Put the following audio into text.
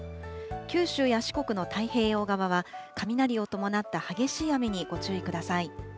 九州や四国の太平洋側は、雷を伴った激しい雨にご注意ください。